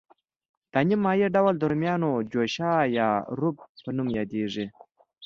دا نیم مایع ډول د رومیانو جوشه یا روب په نوم یادیږي.